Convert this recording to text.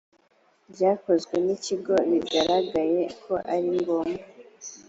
ryakozwe n ikigo bigaragaye ko ari ngombwa